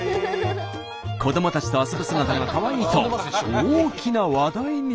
子どもたちと遊ぶ姿がかわいいと大きな話題に。